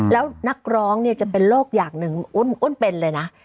แล้วนักร้องเนี่ยจะเป็นโลกอย่างหนึ่งอ้วนเป็นเลยนะ